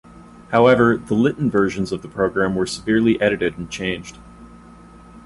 However, the Litton versions of the program were severely edited and changed.